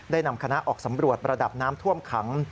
นำคณะออกสำรวจระดับน้ำท่วมขัง